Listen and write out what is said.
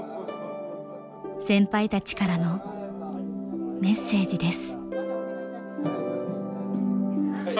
先輩たちからのメッセージです。